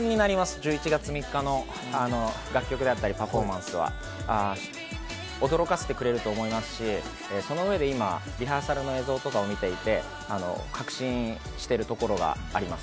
１１月３日の楽曲やパフォーマンスは驚かせてくれると思いますし、その上でリハーサルの映像を見ていて確信しているところがあります。